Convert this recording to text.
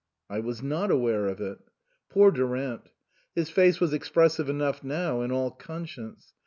" I was not aware of it." Poor Durant. His face was expressive enough now in all conscience.